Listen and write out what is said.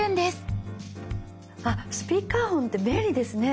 あっスピーカーフォンって便利ですね！